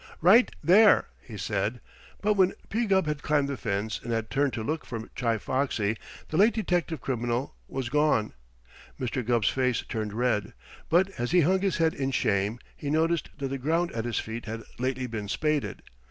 "Right there!" he said, but when P. Gubb had climbed the fence and had turned to look for Chi Foxy, the late detective criminal was gone. Mr. Gubb's face turned red, but as he hung his head in shame he noticed that the ground at his feet had lately been spaded.